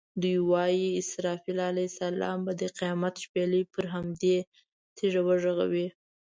دوی وایي اسرافیل علیه السلام به د قیامت شپېلۍ پر همدې تیږه وغږوي.